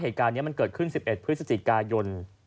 เหตุการณ์นี้มันเกิดขึ้น๑๑พฤศจิกายน